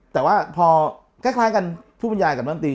แต่ว่าพอคล้ายกันภูมิยายกับนักดนตรี